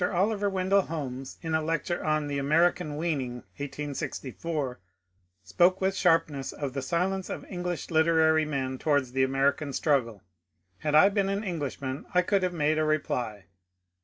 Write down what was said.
Oliver Wendell Holmes, in a lecture on *^ The Ameri can Weaning," 1864, spoke with sharpness of the silence of English literary men towards the American struggle. Had I been an Englishman I could have made a reply.